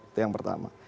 itu yang pertama